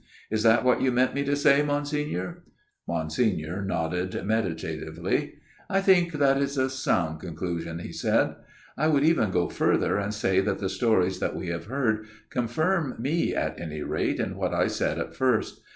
Is that what you meant me to say, Monsignor ?" Monsignor nodded meditatively. " I think that is a sound conclusion/' he said. " I would even go further, and say that the stories that we have heard confirm me, at any rate, in what I said at first.